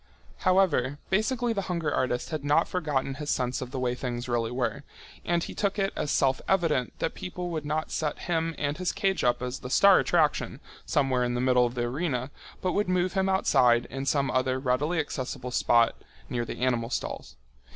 However, basically the hunger artist had not forgotten his sense of the way things really were, and he took it as self evident that people would not set him and his cage up as the star attraction somewhere in the middle of the arena, but would move him outside in some other readily accessible spot near the animal stalls.